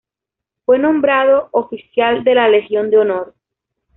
Fue nombrado oficial de la Legión de honor.